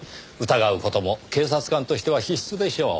疑う事も警察官としては必須でしょう。